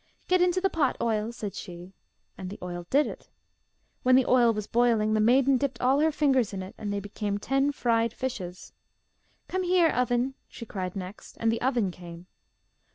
'Get into the pot, oil!' said she, and the oil did it. When the oil was boiling, the maiden dipped all her fingers in it, and they became ten fried fishes. 'Come here, oven,' she cried next, and the oven came.